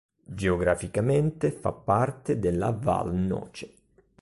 Geograficamente fa parte della Val Noce.